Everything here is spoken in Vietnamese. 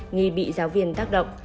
nghi bị giáo viên tác động